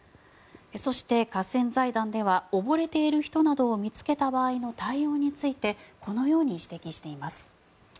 そして、河川財団では溺れている人などを見つけた場合の対応についてこのように指摘しています。